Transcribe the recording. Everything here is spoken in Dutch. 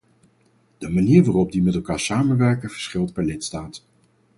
De manier waarop die met elkaar samenwerken verschilt per lidstaat.